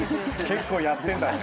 結構やってんだね。